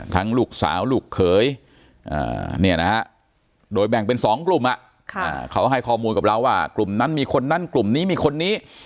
ลูกสาวลูกเขยโดยแบ่งเป็น๒กลุ่มเขาให้ข้อมูลกับเราว่ากลุ่มนั้นมีคนนั้นกลุ่มนี้มีคนนี้